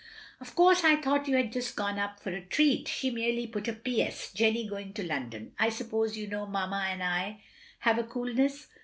"Of course I thought you had just gone up for a treat. She merely put a P. S. 'J^^^Y goi^g *o London.' I suppose you know Mamma and I have a coolness